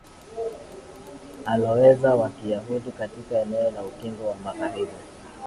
alowezi wa kiyahudi katika eneo la ukingo wa magharibi